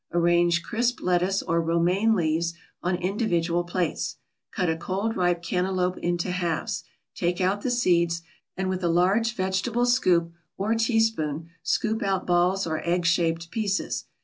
Arrange crisp lettuce or Romaine leaves on individual plates. Cut a cold ripe cantaloupe into halves, take out the seeds, and with a large vegetable scoop or teaspoon scoop out balls or egg shaped pieces.